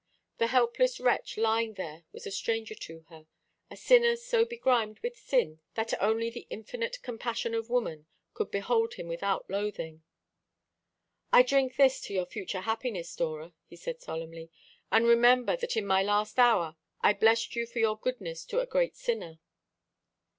The helpless wretch lying there was a stranger to her; a sinner so begrimed with sin that only the infinite compassion of woman could behold him without loathing. "I drink this to your future happiness, Dora," he said solemnly, "and remember that at my last hour I blessed you for your goodness to a great sinner."